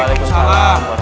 sini sini disana tuh